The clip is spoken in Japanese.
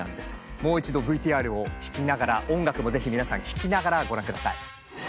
もう一度ＶＴＲを聴きながら音楽もぜひ皆さん聴きながらご覧下さい。